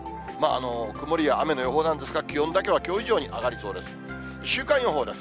曇りや雨の予報なんですが、気温だけはきょう以上に上がりそうです。